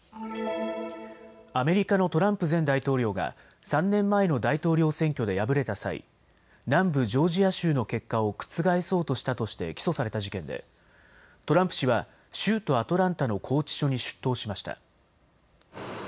アメリカのトランプ前大統領が３年前の大統領選挙で敗れた際、南部ジョージア州の結果を覆そうとしたとして起訴された事件でトランプ氏は州都アトランタの拘置所に出頭しました。